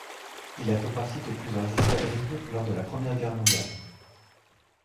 Il a fait partie de plusieurs escadrilles lors de la Première Guerre mondiale.